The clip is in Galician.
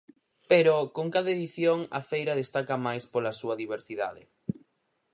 Pero, con cada edición, a feira destaca máis pola súa diversidade.